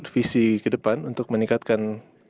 visi ke depan untuk meningkatkan